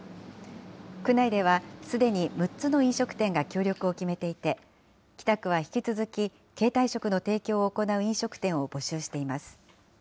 区内ではすでに６つの飲食店が協力を決めていて、北区は引き続き、形態食の提供を行う飲食店を募集しています。